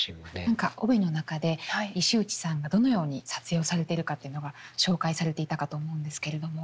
何か帯の中で石内さんがどのように撮影をされているかっていうのが紹介されていたかと思うんですけれども。